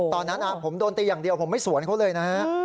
ตอนนั้นผมโดนตีอย่างเดียวผมไม่สวนเขาเลยนะฮะ